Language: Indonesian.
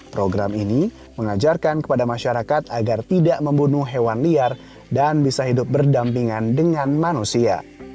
program ini mengajarkan kepada masyarakat agar tidak membunuh hewan liar dan bisa hidup berdampingan dengan manusia